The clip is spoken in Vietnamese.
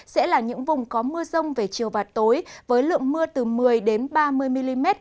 sẽ là những vùng có mưa rông về chiều và tối với lượng mưa từ một mươi ba mươi mm